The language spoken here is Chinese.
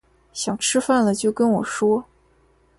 想吃饭了就跟我说